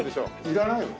いらないよ。